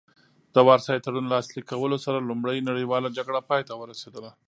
د وارسای تړون لاسلیک کولو سره لومړۍ نړیواله جګړه پای ته ورسیده